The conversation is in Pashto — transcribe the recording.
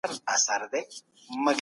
نړيوالي اړیکي په متقابل اعتماد ولاړې وي.